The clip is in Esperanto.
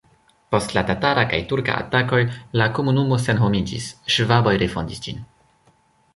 Post la tatara kaj turka atakoj la komunumo senhomiĝis, ŝvaboj refondis ĝin.